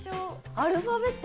アルファベット！